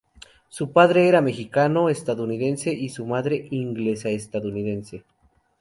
Su padre era mexicano-estadounidense y su madre inglesa-estadounidense.